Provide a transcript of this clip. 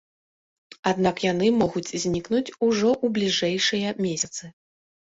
Аднак яны могуць знікнуць ужо ў бліжэйшыя месяцы.